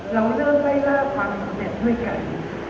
เราเริ่มไม่เลิกความสำเร็จด้วยกัน